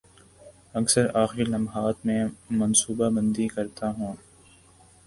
اکثر آخری لمحات میں منصوبہ بندی کرتا ہوں